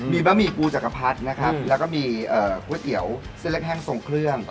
มีบะหมี่ปูจักรพรรดินะครับแล้วก็มีก๋วยเตี๋ยวเส้นเล็กแห้งทรงเครื่อง